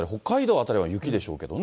辺りは雪でしょうけどね。